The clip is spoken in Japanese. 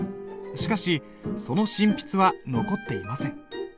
しかしその真筆は残っていません。